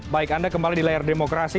baik anda kembali di layar demokrasi